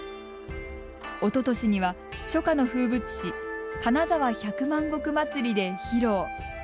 おととしには、初夏の風物詩「金沢百万石まつり」で披露。